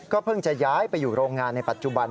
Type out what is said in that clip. เพิ่งจะย้ายไปอยู่โรงงานในปัจจุบัน